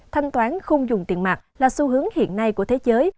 thanh toán không dùng tiền mặt là xu hướng hiện nay của thế giới